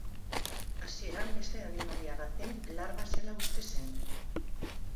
Hasieran beste animalia baten larba zela uste zen.